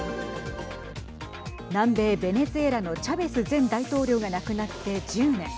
南米ベネズエラのチャベス前大統領が亡くなって１０年。